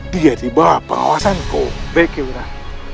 dia tiba tiba pengawasan gobek yaudah